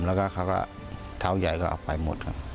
แล้วก็เขาก็เท้าใหญ่ก็เอาไปหมดครับ